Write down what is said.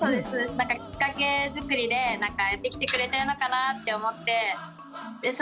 何かきっかけ作りでやってきてくれてるのかなって思ってそ